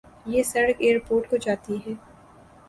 یہ سڑک airport کو جاتی ہے